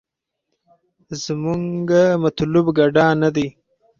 زمونګه مطلوب ګډا نه دې.